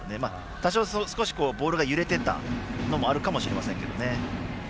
多少、少しボールが揺れてたのもあるかもしれないですけどね。